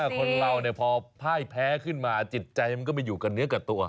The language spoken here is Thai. คนเราพอพ่ายแพ้ขึ้นมาจิตใจมันก็ไม่อยู่กับเนื้อกับตัว